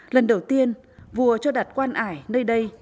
lần đầu tiên vua cho đặt quan ải nơi đây